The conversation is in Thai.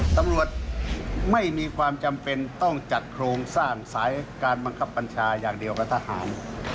ตำรวจไม่มีความจำเป็นต้องจัดโครงสร้างสายการบังคับบัญชาอย่างเดียวกับทหาร